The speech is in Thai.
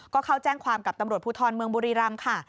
ก็เข้าแจ้งความกับตำรวจภูทรเมืองบุรีรำค่ะ